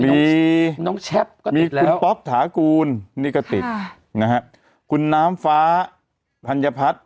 มีน้องแชปก็ติดแล้วมีคุณป๊อกถากูลนี่ก็ติดคุณน้ำฟ้าพันยพัฒน์